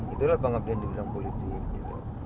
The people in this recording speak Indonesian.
itulah pengabdian di bidang politik gitu